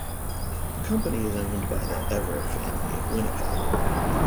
The company is owned by the Everett Family of Winnipeg.